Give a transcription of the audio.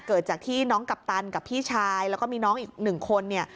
เกิดจากที่น้องกัปตันกับพี่ชายแล้วก็มีน้องอีกหนึ่งคนเนี่ย